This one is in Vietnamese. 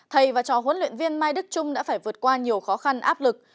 thầy và trò huấn luyện viên mai đức trung đã phải vượt qua nhiều khó khăn áp lực